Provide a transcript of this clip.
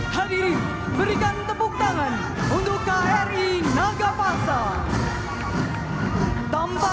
hadirin berikan tepuk tangan untuk kri nagapasa